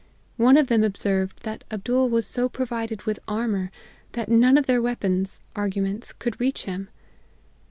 One of them observed, that Abdool was so provided with armour, that none of their weapons (arguments) could reach him.